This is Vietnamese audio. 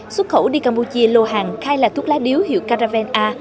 xuất khẩu đi campuchia lô hàng khai là thuốc lá điếu hiệu caravel a